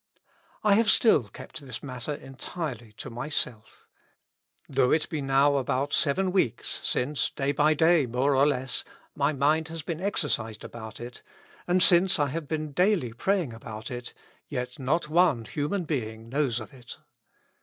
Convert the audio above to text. I have still kept this matter entirely to myself Though it be now about seven weeks, since day by day, more or less, my mind has been exercised about it, and since I have been daily praying about it, yet not one human being knows of it.